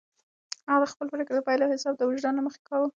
هغه د خپلو پرېکړو د پایلو حساب د وجدان له مخې کاوه.